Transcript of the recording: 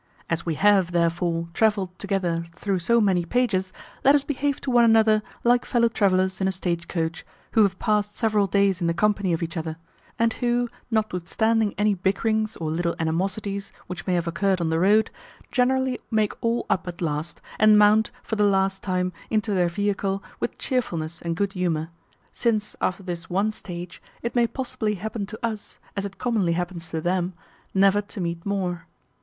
As we have, therefore, travelled together through so many pages, let us behave to one another like fellow travellers in a stage coach, who have passed several days in the company of each other; and who, notwithstanding any bickerings or little animosities which may have occurred on the road, generally make all up at last, and mount, for the last time, into their vehicle with chearfulness and good humour; since after this one stage, it may possibly happen to us, as it commonly happens to them, never to meet more.